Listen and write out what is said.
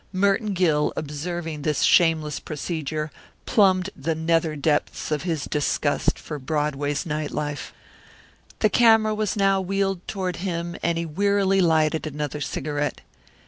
Merton Gill, observing this shameless procedure, plumbed the nether depths of disgust for Broadway's night life. The camera was now wheeled toward him and he wearily lighted another cigarette.